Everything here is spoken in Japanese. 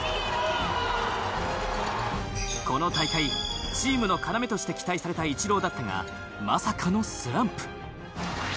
この大会チームの要として期待されたイチローだったがまさかのスランプ。